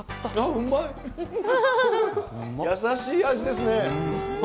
うまい、優しい味ですね。